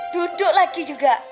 duduk lagi juga